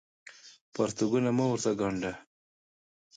پرتوګونه مه ورته ګاڼډه